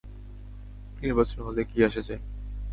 নির্বাচন হলে কী আসে যায়?